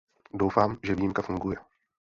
Doufám, že výjimka funguje.